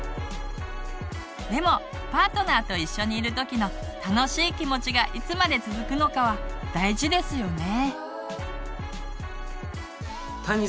でもパートナーと一緒にいる時の楽しい気持ちがいつまで続くのかは大事ですよね。